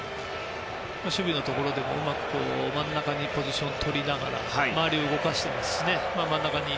守備のところでも、うまく真ん中にポジションとりながら周りを動かしていますしね。